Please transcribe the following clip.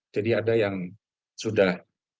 jadi ada yang sudah